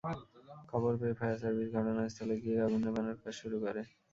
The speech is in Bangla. খবর পেয়ে ফায়ার সার্ভিস ঘটনাস্থলে গিয়ে আগুন নেভানোর কাজ শুরু করে।